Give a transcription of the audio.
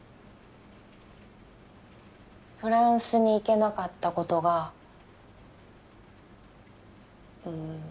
フランスに行けなかった事がうーん。